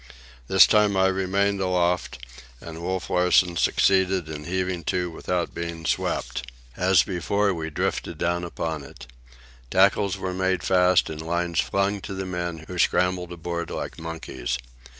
This time I remained aloft, and Wolf Larsen succeeded in heaving to without being swept. As before, we drifted down upon it. Tackles were made fast and lines flung to the men, who scrambled aboard like monkeys.